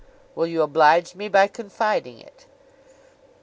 'Will you oblige me by confiding it?